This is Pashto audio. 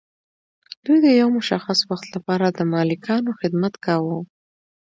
دوی د یو مشخص وخت لپاره د مالکانو خدمت کاوه.